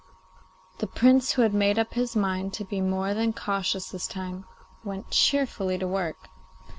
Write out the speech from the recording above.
The Prince, who had made up his mind to be more than cautious this time, went cheerfully to work.